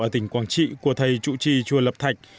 ở tỉnh quảng trị của thầy chủ trì chùa lập thạch